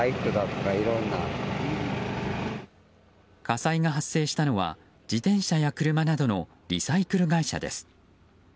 火災が発生したのは自転車や車などのリサイクル会社です。